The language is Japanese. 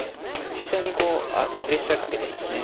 飛車にこうプレッシャーかけてますね。